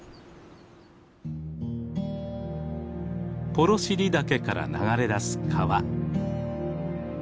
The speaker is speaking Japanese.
幌尻岳から流れだす川。